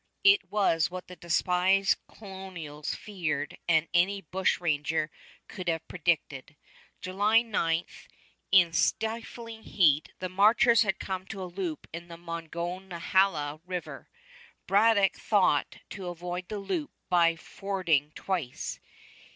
It was what the despised colonials feared and any bushranger could have predicted. July 9, in stifling heat, the marchers had come to a loop in the Monongahela River. Braddock thought to avoid the loop by fording twice.